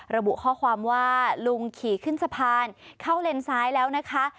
ระบุข้อความว่าลุงขี่ขึ้นสะพานเข้าเลนซ้ายแล้วนะคะ